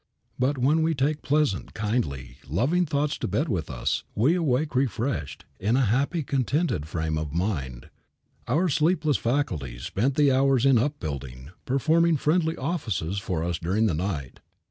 But, when we take pleasant, kindly, loving thoughts to bed with us we awake refreshed, in a happy, contented frame of mind. Our sleepless faculties spent the hours in upbuilding, performing friendly offices for us during the night.